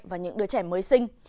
và những đứa trẻ mới sinh